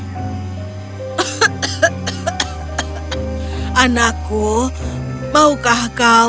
kek kek kek anakku maukah kau